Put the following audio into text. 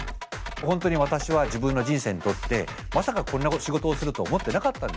本当に私は自分の人生にとってまさかこんな仕事をすると思ってなかったんですね。